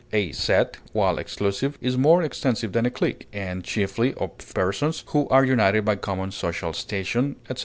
A set, while exclusive, is more extensive than a clique, and chiefly of persons who are united by common social station, etc.